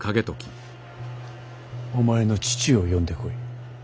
お前の父を呼んでこい。